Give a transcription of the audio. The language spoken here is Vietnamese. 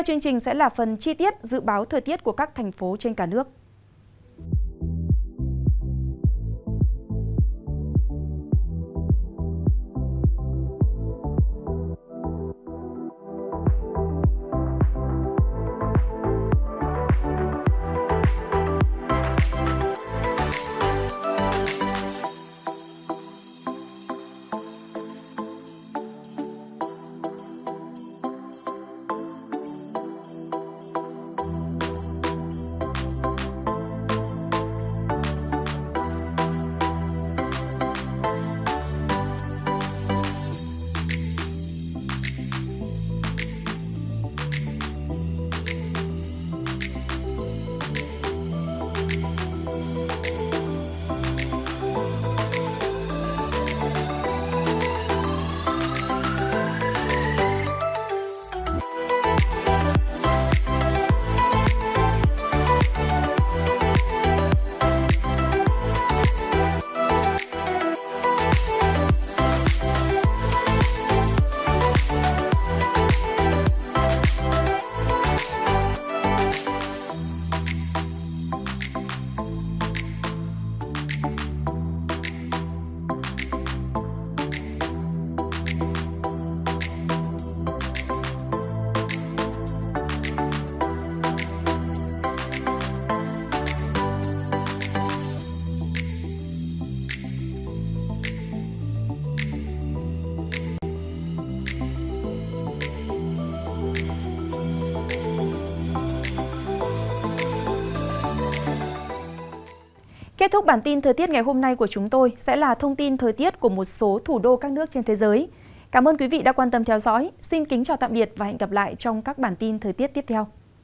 các bạn hãy đăng ký kênh để ủng hộ kênh của chúng mình nhé